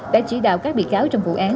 đã chỉ đạo các bị cáo trong vụ án